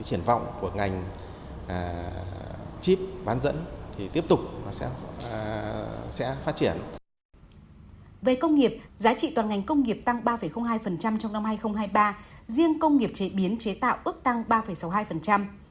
riêng công nghiệp chế biến chế tạo ước tăng của công nghiệp tăng ba hai trong năm hai nghìn hai mươi ba